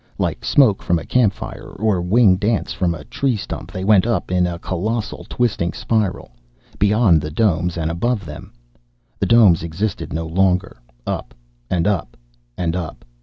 Like smoke from a campfire or winged ants from a tree stump, they went up in a colossal, twisting spiral. Beyond the domes and above them. The domes existed no longer. Up and up, and up....